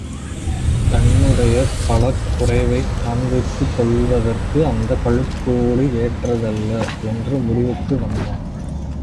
தன்னுடைய பலக்குறைவைக் காண்பித்துக் கொள்வதற்கு அந்தக் கழுகுக்கூடு ஏற்றதல்ல என்று முடிவுக்கு வந்தான்.